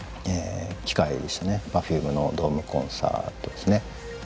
Ｐｅｒｆｕｍｅのドームコンサートですね。